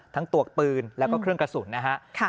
ตวกปืนแล้วก็เครื่องกระสุนนะฮะ